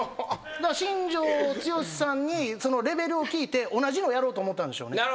新庄剛志さんにそのレベルを聞いて同じのやろうと思ったんでしょうね。